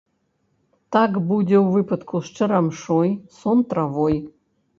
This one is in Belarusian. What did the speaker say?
Так будзе ў выпадку з чарамшой, сон-травой.